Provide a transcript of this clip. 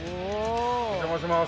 お邪魔します。